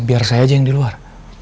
biar saya aja yang di luar